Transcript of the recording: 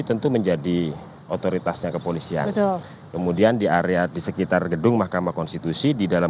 tentu menjadi otoritasnya kepolisian kemudian di area di sekitar gedung mahkamah konstitusi di dalam